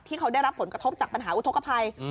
ที่เขาได้รับผลกระทบจากปัญหาอุทธกภัย